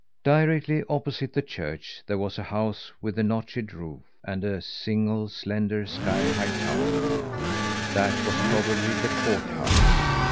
Directly opposite the church there was a house with a notched roof and a single slender, sky high tower. That was probably the courthouse.